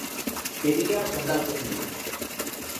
Quería xantar comigo.